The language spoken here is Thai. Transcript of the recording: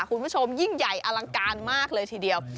คุณผู้ชมยิ่งใหญ่อลังการมากเลยทีเดียว